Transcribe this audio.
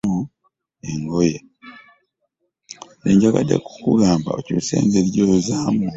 Nze njagadde kukugamba okyuuse ku ngeri gy'oyozaamu engoye.